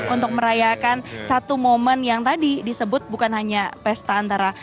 untuk merayakan satu momen yang tadi disebut bukan hanya pesta antara